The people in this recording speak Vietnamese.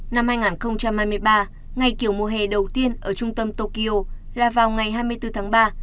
năm hai nghìn hai mươi ba ngày kiểu mùa hè đầu tiên ở trung tâm tokyo là vào ngày hai mươi bốn tháng ba